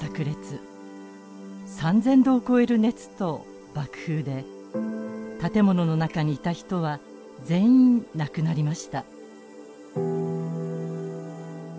３，０００度を超える熱と爆風で建物の中にいた人は全員亡くなりました。